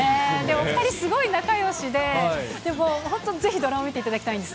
お２人、すごい仲よしで、本当にぜひドラマ見ていただきたいんです。